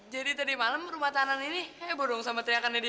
jadi tadi malam rumah tangan ini heboh doang sama teriakannya dia